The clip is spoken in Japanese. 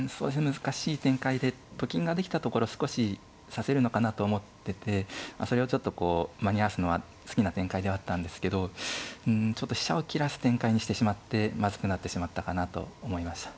難しい展開でと金ができたところは少し指せるのかなと思っててそれをちょっとこう間に合わすのは好きな展開ではあったんですけどうんちょっと飛車を切らす展開にしてしまってまずくなってしまったかなと思いました。